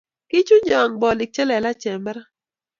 kichunyo bolik chelelachen en barak